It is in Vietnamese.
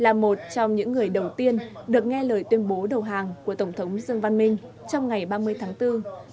là một trong những người đầu tiên được nghe lời tuyên bố đầu hàng của tổng thống dương văn minh trong ngày ba mươi tháng bốn